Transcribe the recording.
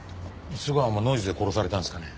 須川もノイズで殺されたんですかね？